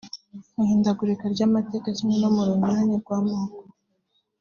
Mu ihindagurika ry’amateka kimwe no mu runyurane rw’amoko